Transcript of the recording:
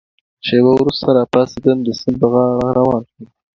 شېبه وروسته را پاڅېدم، د سیند پر غاړه روان شوم.